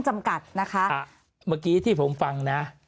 จำกัดนะคะเมื่อกี้ที่ผมฟังนะ